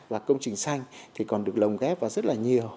là công trình xanh thì còn được lồng ghép vào rất là nhiều